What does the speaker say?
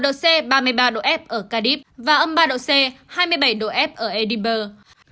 ba mươi ba độ f ở cardiff và âm ba độ c hai mươi bảy độ f ở edinburgh